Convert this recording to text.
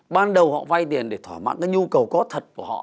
ban đầu họ vay tiền để thỏa mãn cái nhu cầu có thật của họ